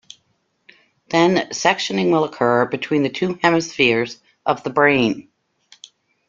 Then sectioning will occur between the two hemispheres of the brain.